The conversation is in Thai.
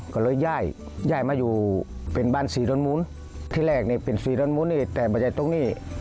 ก็เลยย่ายย่ายมาอยู่เป็นบ้านศรีร้อนมุ้น